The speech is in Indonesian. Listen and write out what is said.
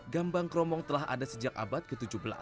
gambang kromong telah ada sejak abad ke tujuh belas